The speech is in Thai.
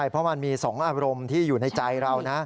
เพราะมันมี๒อารมณ์ที่อยู่ในใจเรานะ